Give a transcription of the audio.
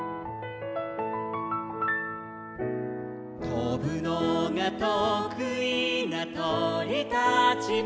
「とぶのがとくいなとりたちも」